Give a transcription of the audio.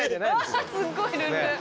すっごいルンルン。